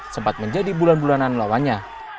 sempat menjadi bulan bulanan lawannya